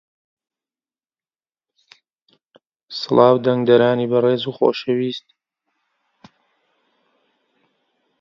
وە خۆ کەوت و بە سەوڵ لێدان و لەسەر یەک ڕاستی کردەوە